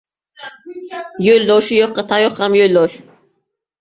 • Yo‘ldoshi yo‘qqa tayoq ham yo‘ldosh.